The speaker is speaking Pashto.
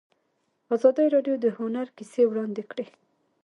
ازادي راډیو د هنر کیسې وړاندې کړي.